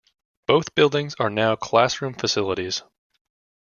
Both buildings are now classroom facilities.